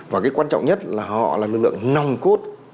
và cái quan trọng nhất là họ là lực lượng nòng cốt